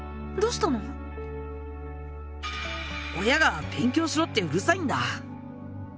親が「勉強しろ」ってうるさいんだ。